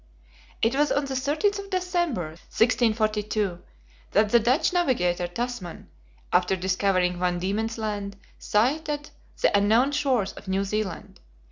It was on the 13th of December, 1642, that the Dutch navigator Tasman, after discovering Van Diemen's Land, sighted the unknown shores of New Zealand.